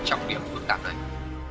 trong việc phương tạm hành